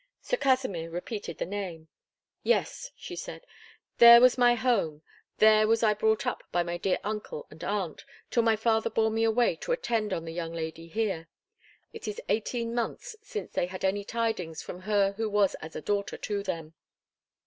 Sir Kasimir repeated the name. "Yes," she said. "There was my home, there was I brought up by my dear uncle and aunt, till my father bore me away to attend on the young lady here. It is eighteen months since they had any tidings from her who was as a daughter to them."